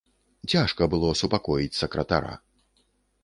Цяжка было супакоіць сакратара.